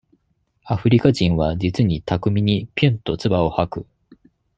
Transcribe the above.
アフリカ人は、実に巧みに、ぴゅんとつばを吐く。